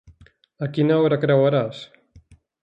A quina hora creuaràs?